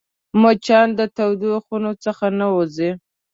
مچان د تودو خونو څخه نه وځي